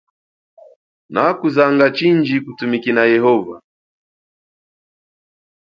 Nakuzanga chindji kutumikina yehova.